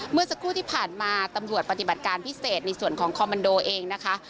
เมื่อสักครู่ที่ผ่านมาตำรวจปฏิบัติการพิเศษในส่วนของคอมมันโดเองนะคะ